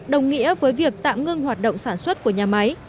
đồng nghĩa với việc tạm ngưng hoạt động sản xuất của nhà máy